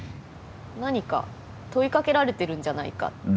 何か問いかけられてるんじゃないかって。